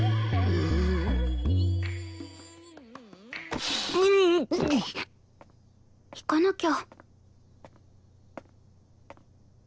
ううっ！行かなきゃ。